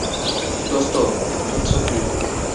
দোস্ত, তোর ছুকরি!